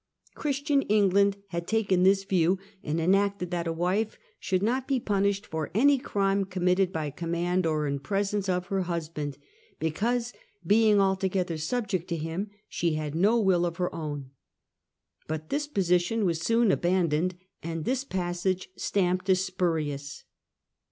Christian England had taken this view, and enacted that a wife should not be punished for any crime committed by command, or in presence of her husband, " because, being altogether subject to him, she had no will of her own;" but this position was soon abandoned, and this passage stamped as spu rious.